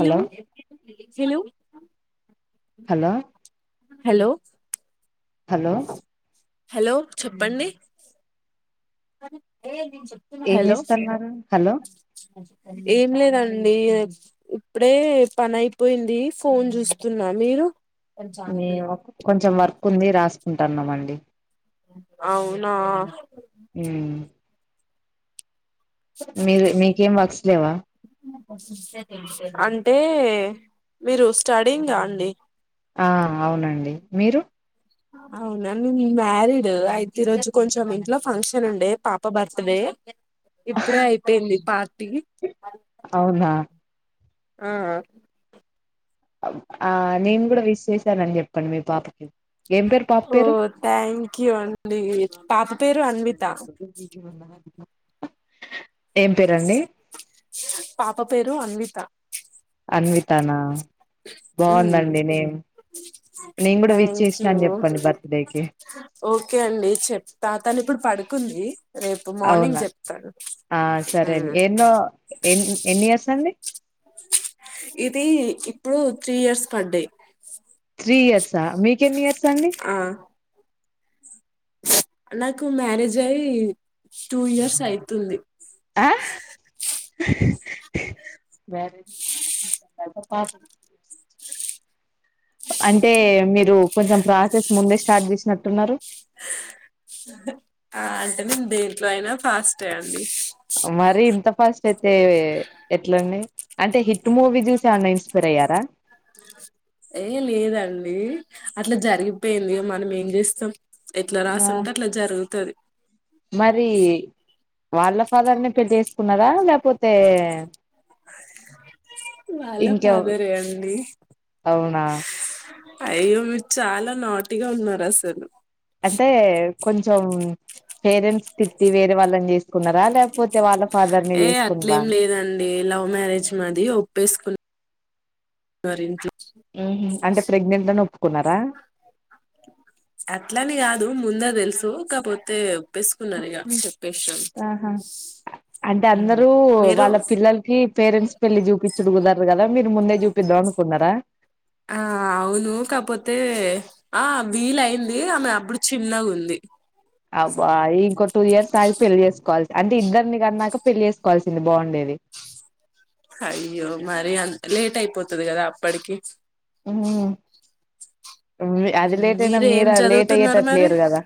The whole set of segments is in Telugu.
హలో హెలో వ్ హలో ప్చ్ హలో హల్లో హలోవ్ చెప్పండి. ఏం హలో చేస్తన్నారు హలో ప్చ్ ప్చ్ ఏం లేదండి. ఇప్పుడే పనైయిపోయింది. ఫోన్ చూస్తున్న మీరు [unintelligible] కొంచెం వర్కుంది. రాస్ ఉంటర్నామండి. అవునా హ్మ్ మీరు మీకేం వర్క్స్ లేవా అంటే మీరు స్టడింగ్ గా అండి. ఆ అవునండి. మీరు అవునా [unintelligible] మ్యారీడు అయితే, ఈరోజు కొంచెం ఇంట్లో ఫంక్షన్ ఉండే, పాప బర్త్ డే ఇప్పుడే అయిపోయింది. పార్టీ అవునా ఆ అ ఆ నేను కూడా విష్ చేశానని చెప్ ప్పండ్ మీ పాపకి ఏం పేరు పాప ఓ పేరు థ్యాంక్యూ అండి పాప పేరు అన్విత ఏం పేరండి పాప పేరు అన్విత అన్వితానా ఉమ్ బాగుందండి నేమ్ నేను కూడా విష్ చేసినా థ్యాంక్యూ అని చెప్పండి బర్త్డేకి ఓకే అండి చెప్తా తను ఇప్పుడు పడుకుంది రేపు మార్నింగ్ అవునా చెప్తాను ఆ సరే అండి ఉమ్ ఎన్నో ఎన్ ఎన్ని ఇయర్స్ అండీ ఇది ఇప్పుడు త్రీ ఇయర్స్ పడ్దయ్ త్రీ ఇయర్సా మీకెన్నియర్స్ అండి ఆ నాకు మ్యారేజ్ అయి టూ ఇయర్స్ అయితుంది మ్యారేజ్ తర్త పాప్ అంటే మీరు కొంచెం ప్రాసెస్ ముందే స్టార్ట్ చేసినట్టున్నారు ఆ అంటే నేను దేంట్లో అయినా ఫాస్టే అండి మరి ఇంత ఫాస్ట్ అయితే ఎట్లండి అంటే హిట్ మూవీ చూసి ఏమన్నా ఇన్స్పైర్ అయ్యారా ఏ లేదండి అట్లా జరిగిపోయింది మనం ఏం చేస్తం ఎట్లా రాసుంటే అట్లా జరుగుతది మరీ వాళ్ళ ఫాదర్ నే పెళ్లి చేేసుకున్నారా లేపోతే వాళ్ళ ఫాదరే అండి ఆ అయ్యో మీరు చాలా నాటిగా ఉన్నారు అసలు అంటే కొంచెం పేరెంట్స్ తిట్టి వేరే వాళ్ళని చేసుకున్నారా లేకపోతే వాళ్ళ ఫాదర్ ని ఏ చేసుకున్నారా అట్లేం లేదండి లవ్ మ్యారేజ్ మాది ఒప్పేసుకున్ న్నర్ ఇంట్ల ఉహు అంటే ప్రెగ్నెంట్ అని ఒప్పుకున్నారా అట్లని కాదు ముందే తెలుస్ కాపోతే ఒప్పేసుకున్నారు ఇక చెప్పేసాం ఆహా అంటే అందరూ మీరు వాళ్ళ పిల్లలకి పేరెంట్స్ పెళ్లి చూపి చుడుగుదర్దు కదా మీరు ముందే చూపిద్దాం అనుకున్నారా ఆ అవును కాపోతే ఆ వీలైంది ఆమె అప్పుడు చిన్నగుంది అబ్బా ఇంకో టూ ఇయర్స్ ఆగి పెళ్లి చేసుకోవాల్ అంటే ఇద్దరిని కన్నాక పెళ్లి చేసుకోవాల్సింది బాగుండేది అయ్యో మరి అంత లేట్ అయిపోతుది గదా అప్పటికి ఉ అది లేట్ అయినా ఏం మీరు లేట్ చదువుతున్నారు అయ్యేటట్టు మరి లేరు గదా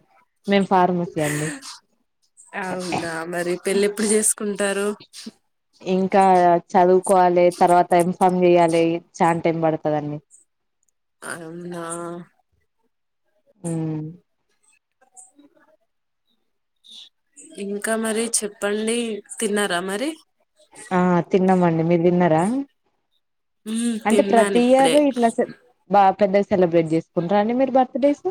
మేం ఫార్మసీ అండి కుంటారు ఇంకా చదువుకోవాలి తర్వాత ఎమ్ ఫామ్ జేయాలి చాన్ టైం పడుతుందండి అవున్నా ఊ ఇంకా మరి చెప్పండి తిన్నారా మరి ఆ తిన్నామండి మీరు తిన్నారా మ్మ్ అంటే తిన్నాను ప్రతి ఇప్పుడే ఇయర్ ఇట్లా పెద్దగా సెలబ్రేట్ చేసుకుంటారా అండి మీరు బర్త్డేస్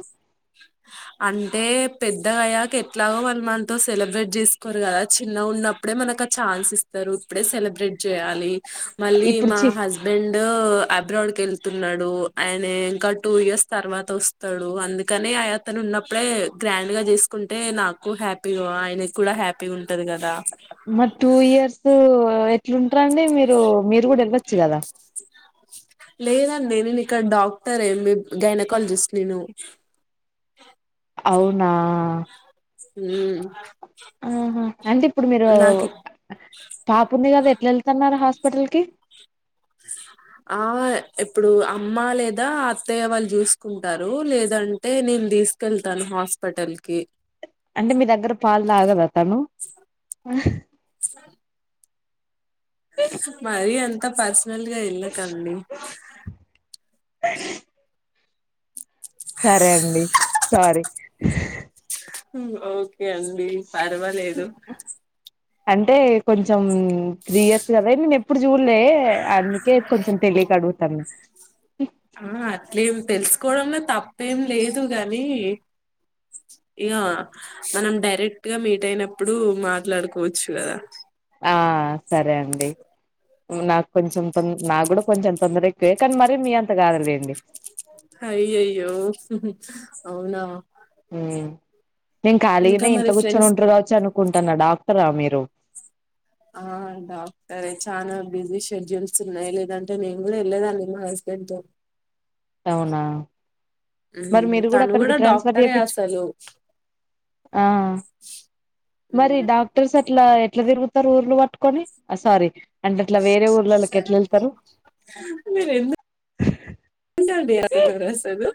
అంటే పెద్దగయ్యాక ఎట్లాగో వాళ్లు మనతో సెలబ్రేట్ జేసుకోరు కదా చిన్నగా ఉన్నప్పుడే మనకు ఆ ఛాన్స్ ఇస్తారు ఇప్పుడే సెలబ్రేట్ చేయ్యాలి మళ్ళీ ఇప్పుడు మా చి హస్బెండ్ అబ్రాడ్ కి యెళ్తున్నాడు ఆయన ఇంకా టూ ఇయర్స్ తర్వాత వస్తాడు అందుకనే ఆ అతను ఉన్నప్పుడే గ్రాండ్ గా చేసుకుంటే నాకు హ్యాపీగా ఆయనకి కూడా హ్యాపీగా ఉంటది కదా మ టూ ఇయర్స్ ఎట్లుంటరండి మీరు మీరు కూడా వెళచ్చు కదా లేదండి నేను ఇక్కడ డాక్టర్ ఎంబ్ గైనకాలజిస్ట్ నేను అవునా ఊ ఆహా అంటే ఇప్పుడు మీరు పాప ఉందిగదా యెళ్తన్నారు హాస్పిటల్ కి ఆ ఇప్పుడు అమ్మ లేదా అత్తయ్య వాళ్ళు జూసుకుంటారు లేదంటే నేను తీసుకెళ్తాను హాస్పిటల్ కి అంటే మీ దగ్గర పాలు తాగదా తను మరి అంత తప్పస్ ల్ గా ఎల్లకండి సరే అండి సారీ హు అవు కే అండి పర్వాలేదు అంటే కొంచం త్రీ ఇయర్స్ గదా నేనెప్పుడు జూల్లే అందుకే కొంచెం తెలియకడుగుతాను ఆ అట్లేం తెలుసుకోవడంలో తప్పేం లేదు గాని ఇక మనం డైరెక్ట్ గా మీట్ అయినప్పుడు మాట్లాడుకోవచ్చు కదా ఆ సరే అండి నాకు కొంచెం త నాకు కూడా కొంచెం తొందర ఎక్కువే కానీ మర మీ అంత కాదలేండి హయ్యయ్యో అవునా హ్మ్. నేను ఇంకా ఖాలీగానే ఇంలో మరి గూచోని ఫ్రెండ్స్ ఉంటారు కావచ్చు అనుకుంటున్నా డాక్టర్ రా మీ జో ఆ డాక్టరే చనా బిజీ షెడ్యూల్స్ ఉన్నాయి లేదంటే నేను కూడా వెళ్ళలేదాండి మా హస్బెండ్ తో అవునా మరి మ్మ్ మీరు కూడా తను అక్కడికి ట్రాన్స్ఫర్ డాక్టరే చేప్పిచుకో అసలు ఆ మరి మ్మ్ డాక్టర్ సర్టిపి ఇట్లా ఎట్లా తిరుగుతారు ఊర్లు పట్టుకొని సారీ అంటే అట్లా వేరే ఊర్లోకి ఎట్లా వెళ్తారు ఎవును కున్నారు అసలు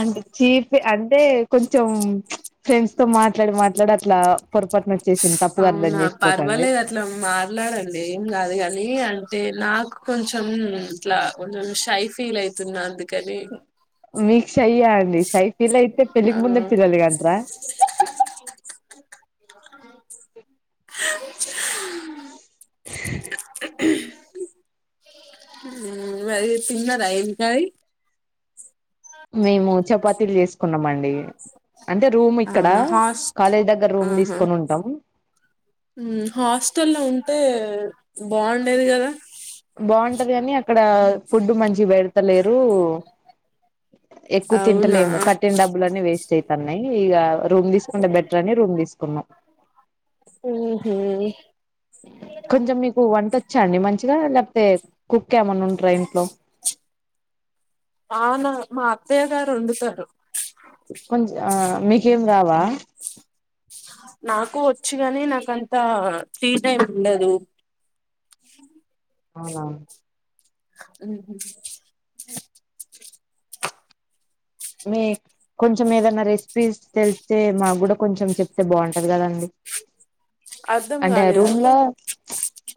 అంటే చీఫ్ అంట ఐతే కొంచెం ఫ్రెండ్స్ తో మాట్లాడి మాట్లాడి అట్లా పొరపాటున వచ్చేసింది తప్పుగా అర్థం అవునా చేసుకోకండి పర్వాలేదు అట్లా మట్లాడండి ఏం కాదు కానీ అ అయినాకు కొంచం ఇట్లా కొంచం షై ఫీల్ అవుతున్నందు కది మీ షైయ్యా అండి షై పిల్ అయితే ఆ పెళ్లికి ముందే పిల్లలిగాంట్రా మరి తిన్నదయింకా మేము చపాతీలు చేస్తూ కున్నాం అండి అంటే రూమ్ ఇక్కడ అవునా హాస్ట్ కాలేజ్ దగ్గర రూమ్ ఆహా తీసుకొని ఉంటాం అంటతే బాగుండేది కదా బాగుంటది కాని అక్కడ ఫుడ్ మంచి పెడతలేరు ఎక్కువ అవునా తింటలేము కట్టిన డబ్బులు అన్నీ వేస్ట్ అయితయి నయ్ ఇగా రూమ్ తీసుకుంటే బెటర్ అని రూమ్ తీసుకు క్కన్నా ఊహూ కొంచెం మీకు వంట వచ్చండి మంచి లేకపోతే కుక్ ఎమన్నా ఉంటారా ఇంట్లో అవునా మా అత్తయ్య గారు వండుతారు కొంచెం ఆ మీకు మీకేం రావా నాకు వచ్చుగాని నాకంత ఫ్రీ టైం ఉండదు అవునా అమ్ మీ కొంచెం ఏదైనా రెసిపీస్ తెలిస్తే మాకు కూడా కొంచెం చెప్తే బాగుంటది కదండి అర్ధం అంటే కాలేదు రూమ్ లో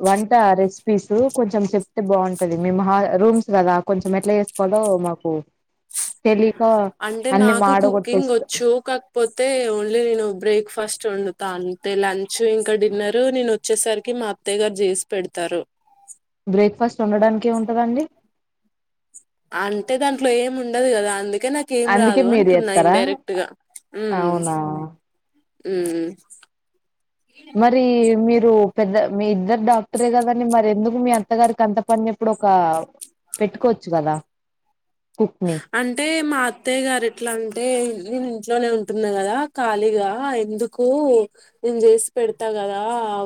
వన్ రెసిపీస్ కొంచెం చెప్తే బాగుంటది మేము రూమ్స్ కదా కొంచెం ఎట్లా చేసుకోవాలో మాకు తెలి అంటే నాకు కుకింగ్ వచ్చు కాకపోతే ఓన్లీ నేను బ్రేక్ఫాస్ట్ వండుతా అంతేలే అన్చు చ్చు ఇంకా డిన్నరు నీను వచ్చేసరికి మా అత్తయ్య గారు చేసి పెడతారు బ్రేక్ఫాస్ట్ వండడానికి ఏముంటదండి అంటే దాంట్లో ఏమి ఉండదు కదా అందుక కానీ నాకేం అందుకే రాదు మీరు అంటున్నా ఇన్ చేస్తారా డైరెక్ట్ గా ఉ అవునా ఉ మరి మీరు పెద్ద మీ ఇద్దరు డాక్టరే కదండి మరి ఎందుకు మీ అత్తగారికి అంత పని ఎప్పుడు ఒక పెట్టుకోవచ్చు కదా కుక్ ని అంటే మా అత్తయ్య గారు ఎట్లా అంటే నేను ఇంట్లోనే ఉన్ టున్నా కదా ఖాళీగా ఎందుకు నేను చేసి పెడతా కదా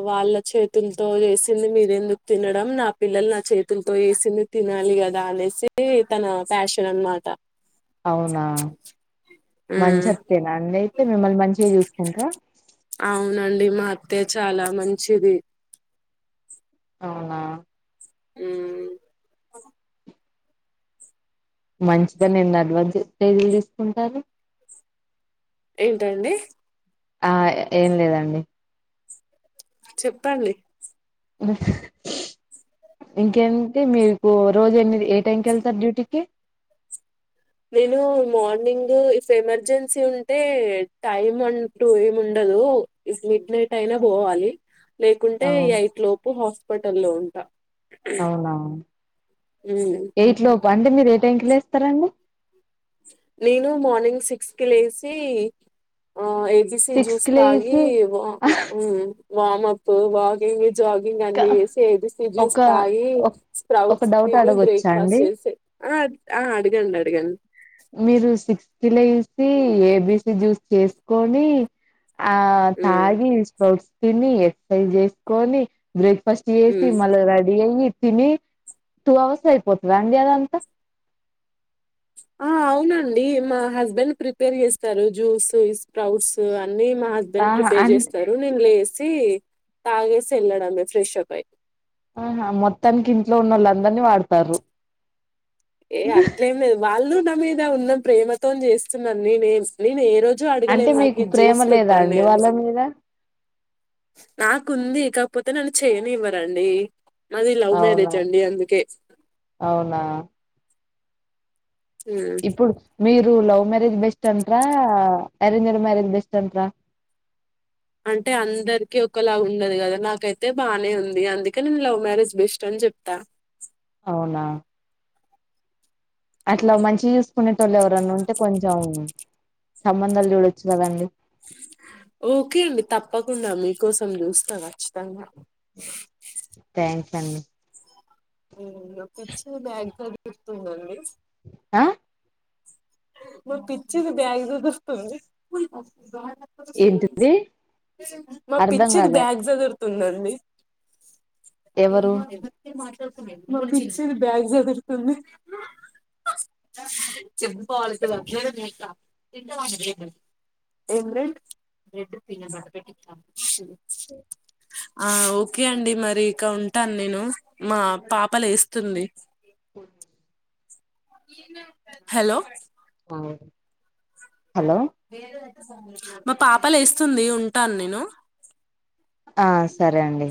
వాళ్ళ చేతులతో చేసింది మీరెందుకు తినడం నా పిల్లలు నా చేతులతో చేసింది తినాలి కదా అనేసి తన ప్యాషన్ అన్నమాట అవునా మంచి ఉమ్ అత్తేనా అండి అయితే మిమ్మల్ని మంచిగా చూస్ కుంటరా తే చాలా మంచిది అవునా ఉ మంచిదన ఎన్న అడ్వాస్ తేదీలు తీసుకుంటారు ఏంటండి ఆ ఏం లేదండి చెప్పండి ఇంకేంటి మీకు రోజు ఎన్నిది ఏ టైంకి వెళ్తారు డ్యూటీకి నేను మార్నింగ్ ఇఫ్ ఎమర్జెన్సీ ఉంటే టైమ్ అంటూ ఏం ఉండదు ఇ మిడ్ నైట్ అయినా పోవాలి లేకుంటే ఈ అవును ఎయిట్ లోపు పటల్లో ఉంటా అవునవును హ్మ్ ఎయిట్ లో అంటే మీరు ఏ టైం కి లేస్తారండి నేను మార్నింగ్ సిక్స్ కి లేసి ఆ ఏ బిసి సిక్స్ జ్యూస్ కి తాగి లేసి వ ఉ వామప్ వాకింగ్ జాగింగ్ అన్ని ఒక చేసి ఏజూస్తాయి ఒక ఒక స్ప్రౌట్స్ డౌట్ తిని అడగొచ్చా బ్రేక్ఫాస్ట్ అండి చేసి ఆ ఆ అడగండి అడగండి మీరు సిక్స్ కి లేసి ఏబిసి జ్యూస్ చేసుకొని ఆ హ్మ్ తాగి స్పౌట్స్ తిని ఎక్సర్సైజ్ చేసుకొని బ్రేక్ఫాస్ట్ చేసి హ్మ్ మళ్ళ రెడీ అయ్యి తిని టూ అవర్స్ లో అయిపోతదండి అదంతా ఆ అవునండి మా హస్బెండ్ ప్రిపేర్ చేస్తారు జ్యూస్ ఈ స్ప్రౌట్స్ న్ అన్నీ మా హస్బెండ్ ఆహా ప్రిపేర్ అన్ చేస్తారు నేను లేసి తాగేస్ వెళ్ళడమే ఫ్రెష్ అప్ అయి ఆహా మొత్తానికి ఇంట్లో ఉన్న వాళ్ళు అందరినీ వాడతారు ఏ అట్లేం లేదు వాళ్ళు నా మీద ఉన్న ప్రేమతో చేస్తున్నాను నేన్ నేను ఏ రో అంటే మీకు ప్రేమ లేదా అండి వాళ్ళ మీద నాకుంది కాకపోతే నన్ను చేయ నివ్వరండి మాది లవ్ అవునా మ్యారేజ్ అండి అందుకే అవునా ఆ ఇప్పుడు మీరు లవ్ మ్యారేజ్ బెస్ట్ అంటార అరేంజ్డ్ మ్యారేజ్ బెస్ట్ అంటార అంటే అందరికిీ ఒకలాగ ఉండదు కదా నాకైతే బానే ఉంది అందుకే నేను లవ్ మ్యారేజ్ బెస్ట్ అని చెప్తా అవునా అట్లా మంచి యూస్ కోనేటోళ్ ఎవరన్న ఉంటే కొంచం సంబంధాలు చూడొచ్చు కదండి ఓకే అండి తప్పకుండా మీకోసం చూస్తా ఖచ్చితంగా థ్యాం సండి నొక్కచ్చ బ్యాగ్ సద్ చెప్తుందండి ఆ మా పిచ్చిది బ్యాగ్ సదురుతుంది ఏంటిది మా అర్ధం పిచ్చిది కాలే బ్యాగ్ సదుర్ తుందండి ఎవరు [inaudible] మా పిచ్చిది బ్యాగ్ సదురుతుంది క్వాలిటీ వర్క్ నేన్ చేస్తా ఆ ఓకే అండి మరి ఇక ఉంటాను నేను మా పాపలేస్తుంది కొనే హలో ఆవుడే [unintelligible] మా పాప లేస్తుంది ఉంటాను నేను ఆ సరే అండి